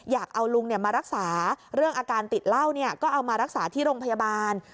อยากเอาลุงมารักษาเรื่องอาการติดเหล้าก็เอามารักษาที่โรงพยาบาล